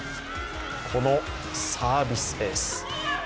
このサービスエース。